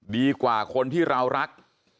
ดีกว่าคนที่เรารัก